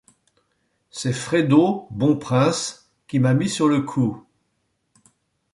C’est Frédo, bon prince, qui m’a mis sur le coup.